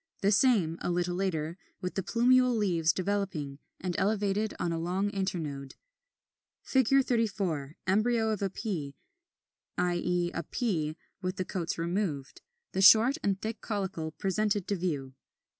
The same, a little later, with the plumule leaves developing, and elevated on a long internode.] [Illustration: Fig. 34. Embryo of Pea, i. e. a pea with the coats removed; the short and thick caulicle presented to view.